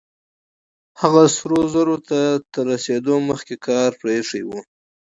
هغه سرو زرو ته تر رسېدو مخکې کار پرېښی و.